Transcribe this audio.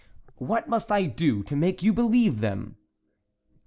"What must I do to make you believe them?"